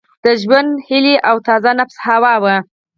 د ژوند هیلي او تازه نفس هوا وه